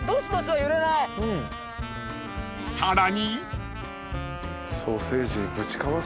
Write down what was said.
［さらに］